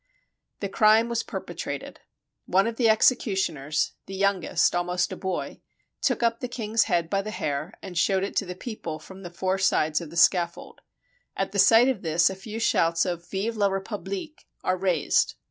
The crime was perpetrated. One of the executioners — the youngest, almost a boy — took up the king's head by the hair, and showed it to the people from the four sides of the scaffold. At sight of this a few shouts of "Vive la Republique!" are raised.